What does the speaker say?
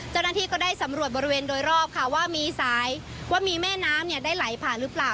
เจ้าหน้าที่ก็ได้สำรวจบริเวณโดยรอบค่ะว่ามีสายว่ามีแม่น้ำได้ไหลผ่านหรือเปล่า